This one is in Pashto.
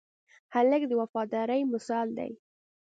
هلک د وفادارۍ مثال دی.